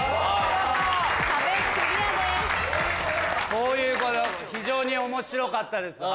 こういうこと非常に面白かったです。